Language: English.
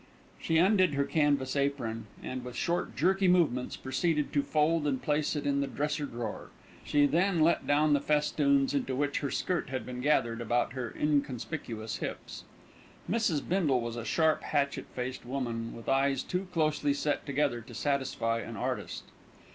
She undid her canvas apron, and with short, jerky movements proceeded to fold and place it in the dresser drawer. She then let down the festoons into which her skirt had been gathered about her inconspicuous hips. Mrs. Bindle was a sharp, hatchet faced woman, with eyes too closely set together to satisfy an artist.